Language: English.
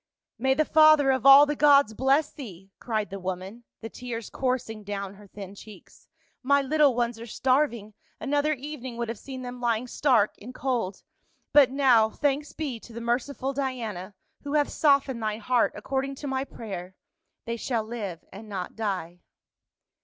"May the father of all the gods bless thee," cried the woman, the tears coursing down her thin cheeks. " My little ones are starving, another evening would have seen them lying stark and cold ; but now, thanks be to the merciful Diana— who hath softened thy heart according to my prayer — they shall live and not die."